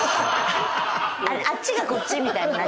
あっちがこっちみたいに。